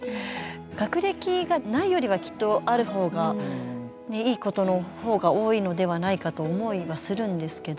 学歴がないよりはきっとあるほうがいいことのほうが多いのではないかと思いはするんですけど。